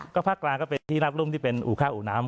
ภาคกลางก็เป็นที่รักรุ่มที่เป็นอู่ค่าอู่น้ำ